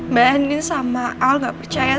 mbak endin sama al gak percaya sama aku